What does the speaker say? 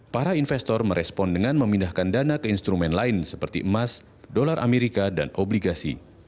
para investor merespon dengan memindahkan dana ke instrumen lain seperti emas dolar amerika dan obligasi